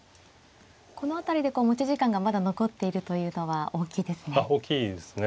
この辺りで持ち時間がまだ残っているというのは大きいですね。